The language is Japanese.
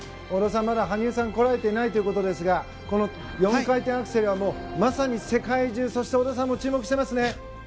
織田さん、まだ羽生さんは来られていないということですが４回転アクセルはまさに世界中そして織田さんも注目していますね。